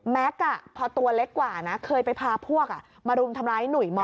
แม็กซ์เคยไปพาพวกมารุมทำร้ายหนุ่ยม๕